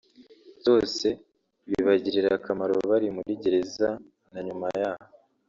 byose bibagirira akamaro bari muri gereza na nyuma yaho